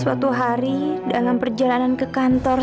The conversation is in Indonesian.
suatu hari dalam perjalanan ke kantor